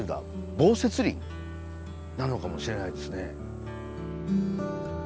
防雪林なのかもしれないですね。